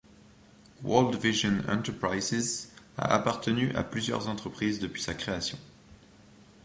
Worldvision Enterprises a appartenu à plusieurs entreprises depuis sa création.